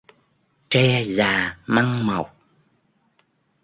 Tre già măng mọc.